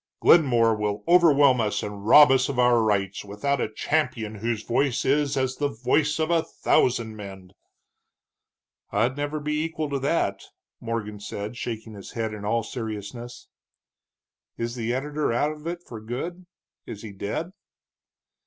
"Glenmore will overwhelm us and rob us of our rights, without a champion whose voice is as the voice of a thousand men." "I'd never be equal to that," Morgan said, shaking his head in all seriousness. "Is the editor out of it for good? Is he dead?"